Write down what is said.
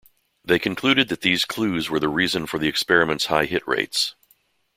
They concluded that these clues were the reason for the experiment's high hit rates.